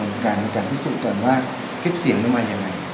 โปรดการณ์ให้การพิสิทธิ์ก่อนว่าทริปเสียงจะมาอย่างไหน